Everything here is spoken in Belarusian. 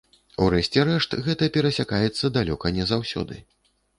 У рэшце рэшт гэта перасякаецца далёка не заўсёды.